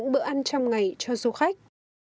bữa ăn trăm ngày cho du khách